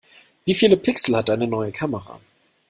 Wie viele Pixel hat deine neue Kamera?